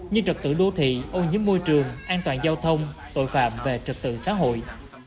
như trật tự đô thị ô nhiễm môi trường an toàn giao thông tội phạm về trật tự xã hội